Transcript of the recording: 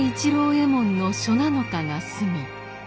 右衛門の初七日が済み。